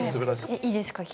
いいですか？